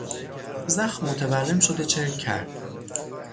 زخم متورم شد و چرک کرد.